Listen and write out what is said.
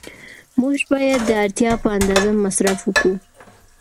موږ باید د اړتیا په اندازه مصرف وکړو.